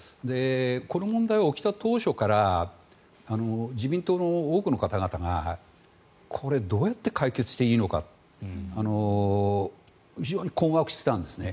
この問題は起きた当初から自民党の多くの方々がこれ、どうやって解決していいのかって非常に困惑していたんですね。